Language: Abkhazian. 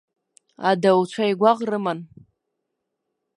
Адауцәа игәаӷ рыман.